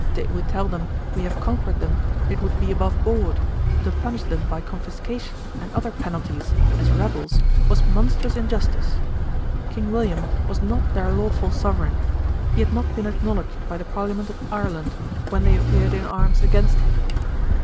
Did we tell them we have conquered them, it would be above board: to punish them by confiscation and other penalties, as rebels, was monstrous injustice. King William was not their lawful sovereign: he had not been acknowledged by the Parliament of Ireland, when they appeared in arms against him.'